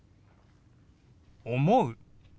「思う」。